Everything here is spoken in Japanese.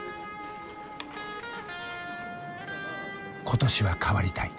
今年は変わりたい。